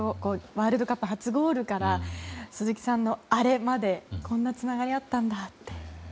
ワールドカップ初ゴールから鈴木さんのあれまでこんなつながりあったんだって。